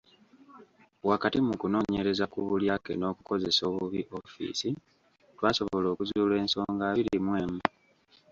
Wakati mu kunoonyereza ku bulyake n’okukozesa obubi ofiisi twasobola okuzuula ensonga abiri mu emu.